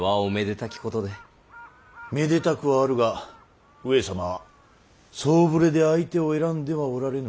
めでたくはあるが上様は総触れで相手を選んではおられぬ。